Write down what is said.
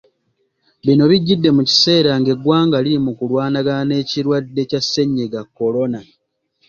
Bino bijjidde mu kiseera ng’eggwanga liri mu kulwanagana n’ekirwadde kya Ssennyiga kolona.